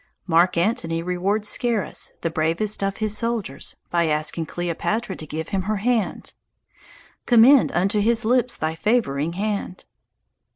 Mark Antony rewards Scarus, the bravest of his soldiers, by asking Cleopatra to give him her hand: "Commend unto his lips thy favouring hand."